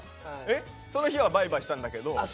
その日はバイバイしたんだけど。